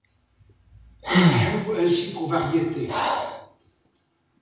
Il y joue ainsi qu'aux Variétés.